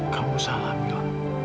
kamu salah bilal